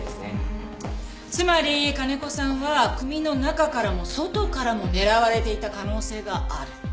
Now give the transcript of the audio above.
つまり金子さんは組の中からも外からも狙われていた可能性がある。